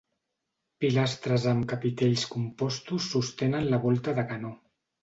Pilastres amb capitells compostos sostenen la volta de canó.